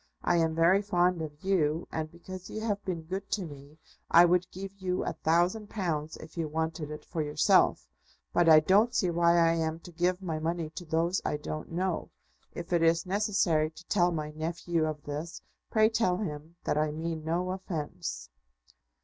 I am very fond of you, and because you have been good to me I would give you a thousand pounds if you wanted it for yourself; but I don't see why I am to give my money to those I don't know. If it is necessary to tell my nephew of this, pray tell him that I mean no offence.